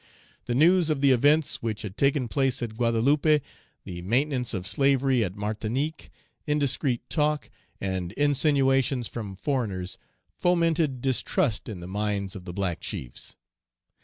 The news of the events which had taken place at Guadeloupe, the maintenance of slavery at Martinique, indiscreet talk, and insinuations from foreigners, fomented distrust in the minds of the black chiefs.